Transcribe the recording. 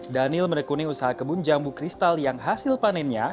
daniel menekuni usaha kebun jambu kristal yang hasil panennya